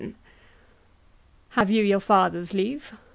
KING. Have you your father's leave?